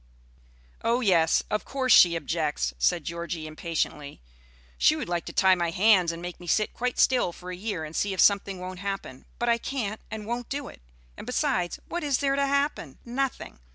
"Oh yes, of course she objects," said Georgie, impatiently. "She would like to tie my hands and make me sit quite still for a year and see if something won't happen; but I can't and won't do it; and, besides, what is there to happen? Nothing.